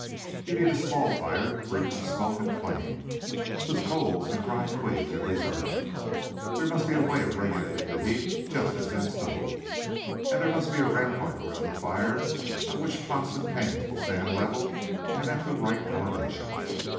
You need a small fire, free from smoke and flame, with coals or dry twigs in reserve. There must be a way of regulating the heat just as in stoves, and there must be a rampart around the fire on which pots and pans will stand level and at the right elevation.